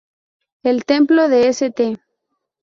El templo de St.